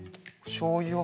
しょうゆを？